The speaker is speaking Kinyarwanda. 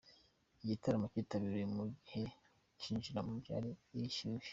Igitaramo kitabiriwe mu gihe kwinjira byari ukwishyura.